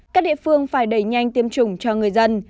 các địa phương phải đẩy nhanh tiêm chủng cho người dân